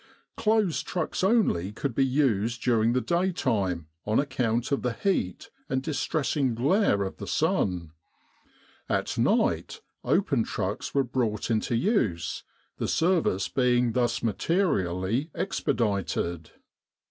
Closed trucks only could be used during the daytime on account of the heat and dis tressing glare of the sun; at night open trucks were brought into use, the service being thus materially expedited.